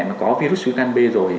mà có virus viêm gan b rồi